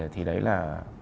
thì đấy là